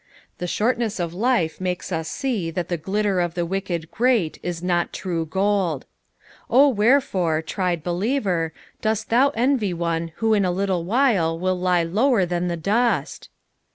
The shortness of life makes us see that the glitter of the wicked great ia not true gold. O where fore, tried believer, doat thou envy one who in a little while will lie lower than tho dust?